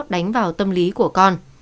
đánh vào tâm lý của con